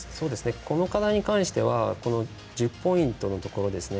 この課題に関しては１０ポイントのところですね。